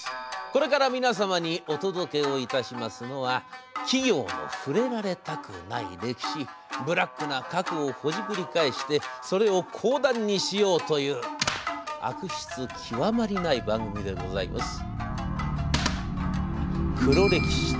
これから皆様にお届けをいたしますのは企業の触れられたくない歴史ブラックな過去をほじくり返してそれを講談にしようという悪質極まりない番組でございます。